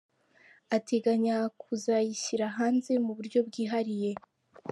Ateganya kuzayishyira hanze mu buryo bwihariye.